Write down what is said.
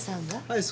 はい。